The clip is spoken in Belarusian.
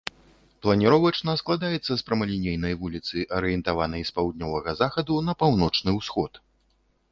Планіровачна складаецца з прамалінейнай вуліцы, арыентаванай з паўднёвага захаду на паўночны ўсход.